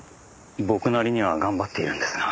僕なりには頑張っているんですが。